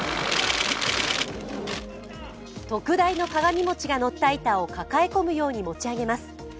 特大の鏡餅がのった板を抱え込むように持ち上げます。